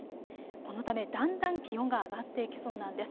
このため、だんだん気温が上がっていきそうなんです。